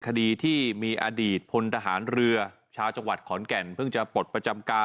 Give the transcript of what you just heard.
คดีที่มีอดีตพลทหารเรือชาวจังหวัดขอนแก่นเพิ่งจะปลดประจำการ